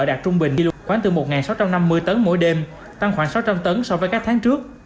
đạt trung bình đi khoảng từ một sáu trăm năm mươi tấn mỗi đêm tăng khoảng sáu trăm linh tấn so với các tháng trước